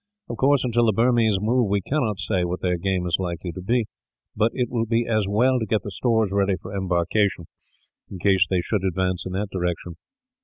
Of course, until the Burmese move we cannot say what their game is likely to be; but it will be as well to get the stores ready for embarkation, in case they should advance in that direction.